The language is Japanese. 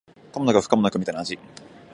可もなく不可もなくみたいな味